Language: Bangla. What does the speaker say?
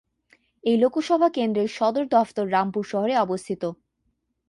এই লোকসভা কেন্দ্রের সদর দফতর রামপুর শহরে অবস্থিত।